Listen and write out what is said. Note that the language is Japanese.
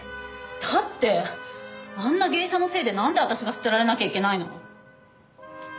だってあんな芸者のせいでなんで私が捨てられなきゃいけないの？